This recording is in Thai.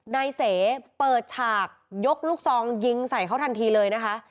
นายเสเปิดฉากยกลูกซองยิงใส่เขาทันทีเลยนะคะ